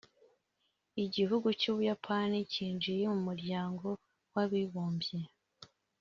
Igihugu cy’ubuyapani cyinjiye mu muryango w’abibumbye